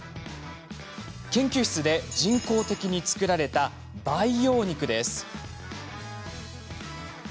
研究室で人工的に作られた培養肉です。